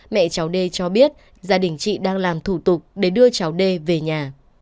mẹ cháu d cho biết gia đình chị đang làm thủ tục để đưa cháu đê về nhà